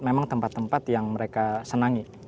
memang tempat tempat yang mereka senangi